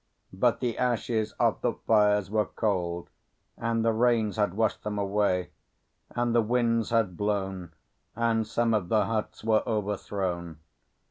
But the ashes of the fires were cold and the rains had washed them away; and the winds had blown, and some of the huts were overthrown.